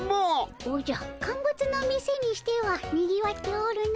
おじゃカンブツの店にしてはにぎわっておるの。